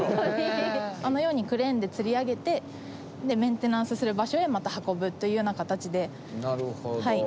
あのようにクレーンでつり上げてメンテナンスする場所へまた運ぶというような形でやっています。